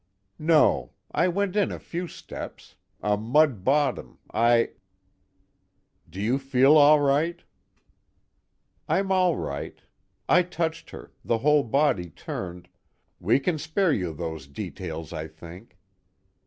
"No. I went in a few steps. A mud bottom I " "Do you feel all right?" "I'm all right. I touched her, the whole body turned " "We can spare you those details, I think.